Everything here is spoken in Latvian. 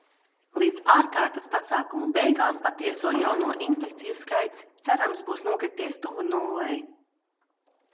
Līdz ārkārtas pasākumu beigām patieso jauno infekciju skaits, cerams, būs nokrities tuvu nullei.